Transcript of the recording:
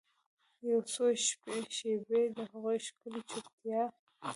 یوڅو شیبې د هغې ښکلې چوپتیا